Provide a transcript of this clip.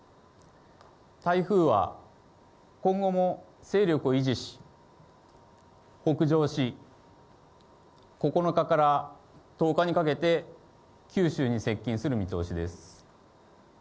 台風は今後も勢力を維持し、北上し、９日から１０日にかけて九州に接近する見通しです。